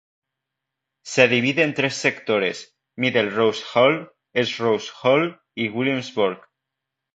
Se divide en tres sectores: Middle Rose Hall, East Rose Hall y Williamsburg.